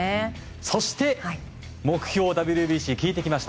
そして、目標ＷＢＣ聞いてきました。